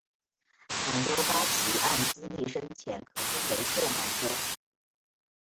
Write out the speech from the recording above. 满洲八旗按资历深浅可分为旧满洲。